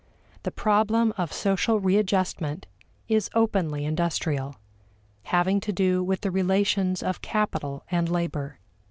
The problem of social readjustment is openly industrial, having to do with the relations of capital and labor.